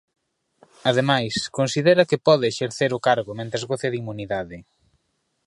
Ademais, considera que pode exercer o cargo mentres goce de inmunidade.